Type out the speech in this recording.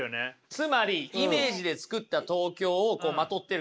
つまりイメージで作った東京をこうまとってるような感じ。